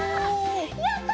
やった！